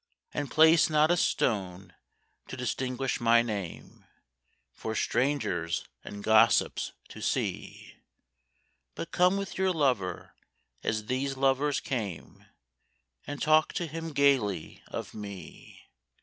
And place not a stone to distinguish my name, For strangers and gossips to see, But come with your lover as these lovers came, And talk to him gaily of me.